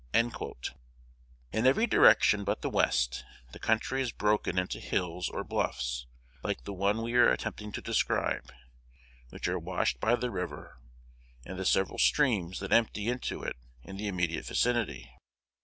In every direction but the West, the country is broken into hills or bluffs, like the one we are attempting to describe, which are washed by the river, and the several streams that empty into it in the immediate vicinity.